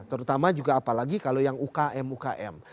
terutama juga apalagi kalau yang ukm ukm